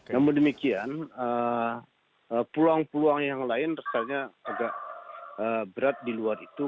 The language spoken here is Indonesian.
namun demikian peluang peluang yang lain rasanya agak berat di luar itu